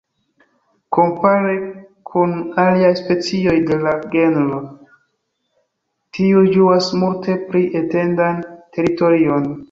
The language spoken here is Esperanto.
Kompare kun aliaj specioj de la genro, tiu ĝuas multe pli etendan teritorion.